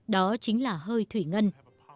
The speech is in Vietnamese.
đó chính là hơi thủy ngân